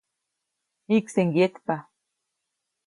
Jikse ŋgyetpa.